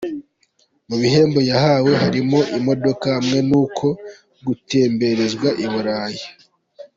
Mu bihembo yahawe harimo imodoka hamwe n’uku gutemberezwa i Burayi.